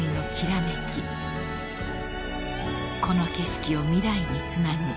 ［この景色を未来につなぐ］